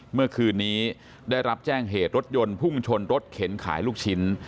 เมื่อคืนนี้ได้รับแจ้งเหตุรถยนต์พุ่งชนรถเข็นขายลูกชิ้น